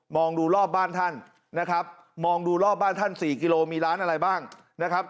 ดูรอบบ้านท่านนะครับมองดูรอบบ้านท่านสี่กิโลมีร้านอะไรบ้างนะครับ